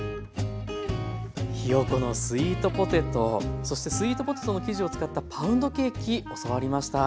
ひよこのスイートポテトそしてスイートポテトの生地を使ったパウンドケーキ教わりました。